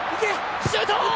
シュート！